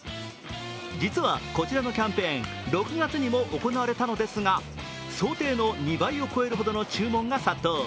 実はこちらのキャンペーン、６月にも行われたのですが、想定の２倍を超えるほどの注文が殺到。